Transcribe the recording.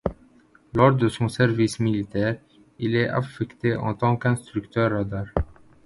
Lors de son service militaire, il est affecté en tant qu’instructeur radar.